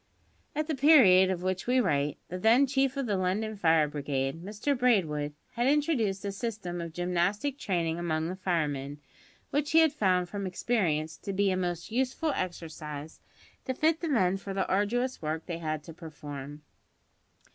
At the period of which we write, the then Chief of the London Fire Brigade, Mr Braidwood, had introduced a system of gymnastic training among the firemen, which he had found from experience to be a most useful exercise to fit the men for the arduous work they had to perform.